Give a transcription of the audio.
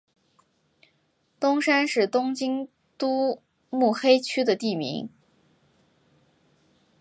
东山是东京都目黑区的地名。